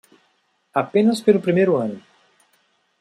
Apenas pelo primeiro ano.